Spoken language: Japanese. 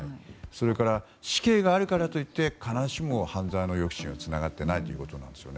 それから死刑があるからといって必ずしも犯罪の抑止にはつながっていないということです。